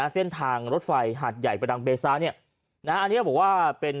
เส้นทางรถไฟหาดใหญ่ประดังเบซาเนี่ยนะอันนี้บอกว่าเป็น